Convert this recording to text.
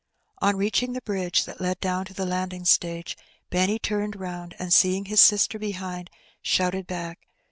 On reaching the bridge that led down to the landing stage, Benny turned round, and, seeing his sister behind, shouted back.